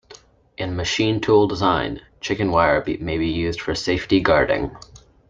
In machine tool design, chicken wire may be used for safety guarding.